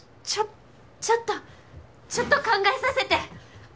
ちょちょっとちょっと考えさせて。